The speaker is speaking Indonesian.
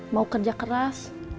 mau kerja keras